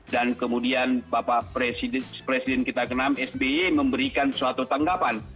dan kemudian bapak presiden kita ke enam sby memberikan suatu tanggapan